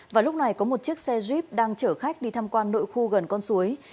và lúc này có một chiếc xe jeep đang chở khách đi tham quan nội khu gần con suối